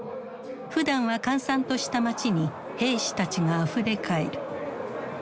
ふだんは閑散とした街に兵士たちがあふれかえる。